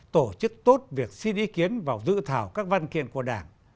tổ chức tốt việc xin ý kiến vào dự thảo các văn kiện của đảng